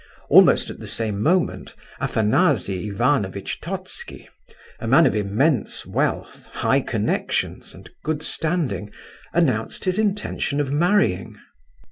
Almost at the same moment, Afanasy Ivanovitch Totski, a man of immense wealth, high connections, and good standing, announced his intention of marrying.